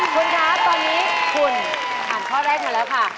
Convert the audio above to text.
คุณคะตอนนี้คุณอ่านข้อแรกมาแล้วค่ะ